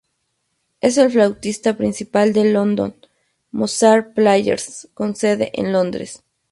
Es el flautista principal del London Mozart Players, con sede en Londres.